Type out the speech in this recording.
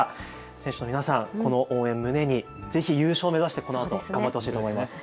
選手の皆さん、この応援を胸にぜひ優勝を目指して頑張ってほしいと思います。